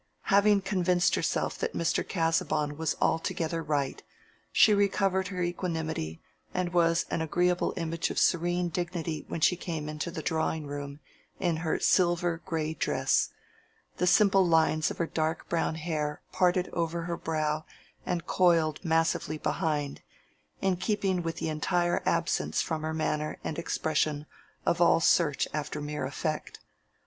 Having convinced herself that Mr. Casaubon was altogether right, she recovered her equanimity, and was an agreeable image of serene dignity when she came into the drawing room in her silver gray dress—the simple lines of her dark brown hair parted over her brow and coiled massively behind, in keeping with the entire absence from her manner and expression of all search after mere effect.